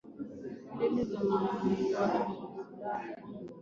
kati ya Waislamu na Wakristo kule Ulaya na Asia Itakuwa muhimu